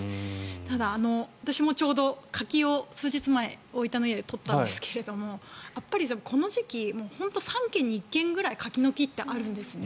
ただ、私もちょうど柿を数日前、大分の家で取ったんですがこの時期、３軒に１軒ぐらい柿の木ってあるんですね。